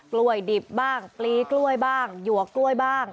กล้วยดิบบ้างปลีกล้วยบ้างหยวกกล้วยบ้าง